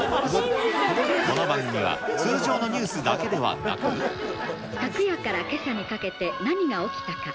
この番組は通常のニュースだけで昨夜からけさにかけて何が起きたか。